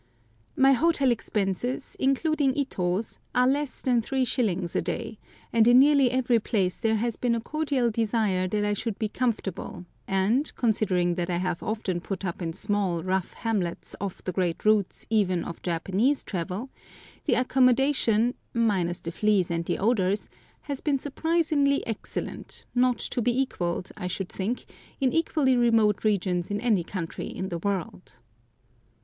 My hotel expenses (including Ito's) are less than 3s. a day, and in nearly every place there has been a cordial desire that I should be comfortable, and, considering that I have often put up in small, rough hamlets off the great routes even of Japanese travel, the accommodation, minus the fleas and the odours, has been surprisingly excellent, not to be equalled, I should think, in equally remote regions in any country in the world.